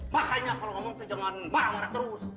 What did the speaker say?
makanya kalau kamu mau jangan marah marah terus